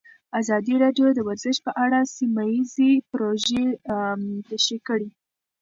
ازادي راډیو د ورزش په اړه سیمه ییزې پروژې تشریح کړې.